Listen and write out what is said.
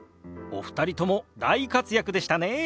お二人とも大活躍でしたね。